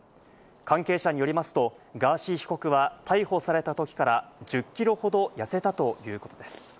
関係者によりますと、ガーシー被告は逮捕されたときから１０キロほど痩せたということです。